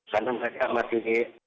karena mereka masih